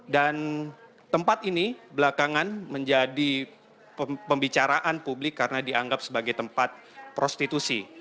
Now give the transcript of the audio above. dan tempat ini belakangan menjadi pembicaraan publik karena dianggap sebagai tempat prostitusi